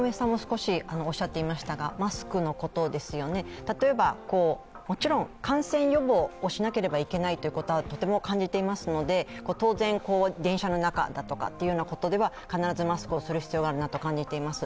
マスクのことですよね、例えばもちろん感染予防をしなければいけないということはとても感じていますので当然、電車の中だとかというところでは必ずマスクをする必要があるなと感じています。